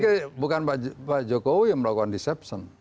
saya pikir bukan pak jokowi yang melakukan deception